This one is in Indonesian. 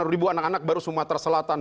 enam ribu anak anak baru sumatera selatan